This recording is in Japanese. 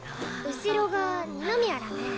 後ろが二宮らね。